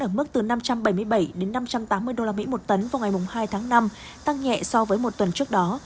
ở mức từ năm trăm bảy mươi bảy đến năm trăm tám mươi usd một tấn vào ngày hai tháng năm tăng nhẹ so với một tuần trước đó